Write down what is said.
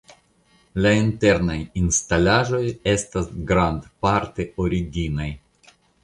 La internaj instalaĵoj estas grandparte originaj.